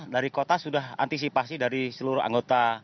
dari kota sudah antisipasi dari seluruh anggota